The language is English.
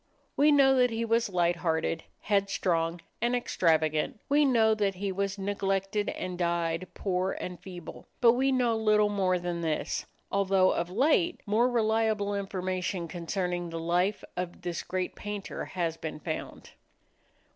We know that he was light hearted, headstrong and extravagant. We know that he was neglected and died poor and feeble. But we know little more than this, although of late more reliable information concerning the life of this great painter has been found.